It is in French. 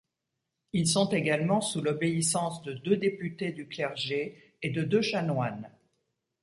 Ils sont également sous l'obéissance de deux députés du clergé et de deux chanoines.